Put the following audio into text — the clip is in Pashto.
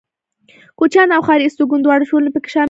کوچيان او ښاري استوگن دواړه ټولنې پکې شاملې وې.